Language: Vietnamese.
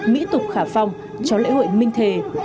mỹ tục khả phong cho lễ hội minh thề